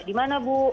di mana bu